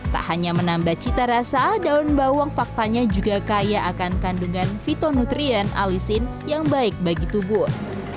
tak hanya menambah cita rasa daun bawang faktanya juga kaya akan kandungan fitonutrien alisin yang baik bagi tubuh